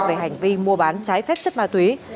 về hành vi mua bán trái phép chất ma túy